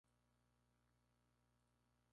Cuando en un momento, YouTube no existe todavía.